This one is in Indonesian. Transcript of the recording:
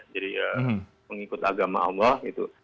jadi pengikut agama allah